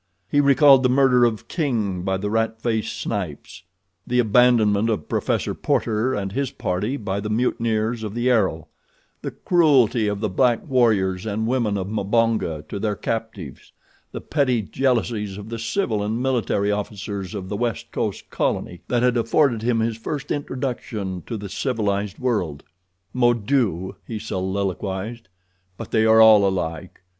He recalled the murder of King by the rat faced Snipes; the abandonment of Professor Porter and his party by the mutineers of the Arrow; the cruelty of the black warriors and women of Mbonga to their captives; the petty jealousies of the civil and military officers of the West Coast colony that had afforded him his first introduction to the civilized world. "Mon Dieu!" he soliloquized, "but they are all alike.